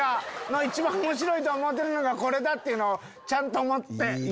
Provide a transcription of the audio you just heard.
一番おもしろいと思ってるのがこれだっていうのをちゃんと思って。